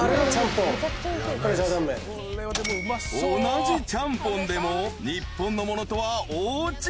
［同じちゃんぽんでも日本のものとは大違い］